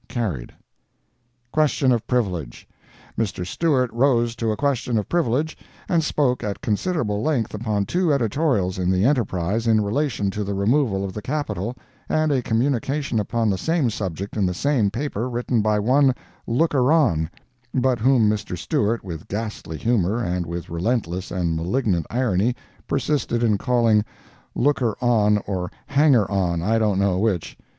Carried. QUESTION OF PRIVILEGE Mr. Stewart rose to a question of privilege, and spoke at considerable length upon two editorials in the ENTERPRISE in relation to the removal of the capital, and a communication upon the same subject in the same paper, written by one "Looker On," but whom Mr. Stewart, with ghastly humor and with relentless and malignant irony, persisted in calling "Looker On or Hanger On, I don't know which!"